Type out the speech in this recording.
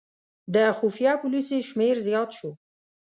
د خفیه پولیسو شمېر زیات شو.